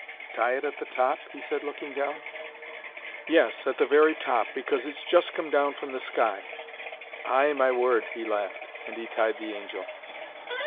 "Tie it at the top?" he said, looking down. "Yes. At the very top because it's just come down from the sky." "Ay my word!" he laughed. And he tied the angel.